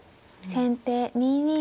先手２二歩。